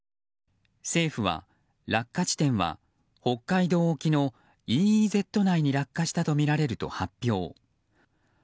政府は、落下地点は北海道沖のＥＥＺ内に落下したとみられると発表。